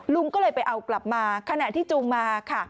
ลุงก็เลยไปเอากลับมาขณะที่จูงมาค่ะ